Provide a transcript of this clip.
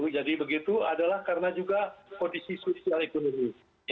begitu adalah karena juga kondisi sosial ekonomi